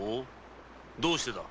どうしてだ？